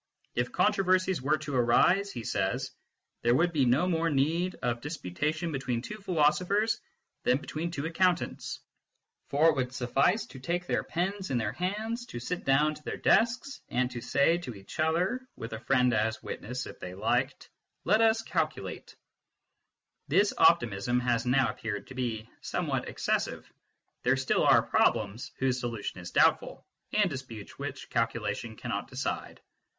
" If controversies were to arise," he says, " there would be no more need of dis putation between two philosophers than between two accountants. For it would suffice to take their pens in their hands, to sit down to their desks, and to say to each other (with a friend as witness, if they liked), Let us calculate/ This optimism has now appeared to be somewhat excessive ; there still are problems whose solution is doubtful, and disputes which calculation cannot decide.